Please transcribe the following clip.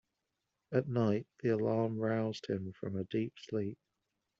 At night the alarm roused him from a deep sleep.